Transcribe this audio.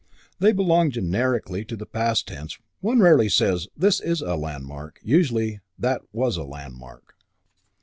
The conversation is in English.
They belong generically to the past tense; one rarely says, "This is a landmark"; usually "That was a landmark."